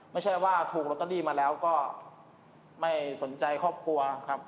ไม่ใช่ว่าถูกลอตเตอรี่มาแล้วก็ไม่สนใจครอบครัวครับ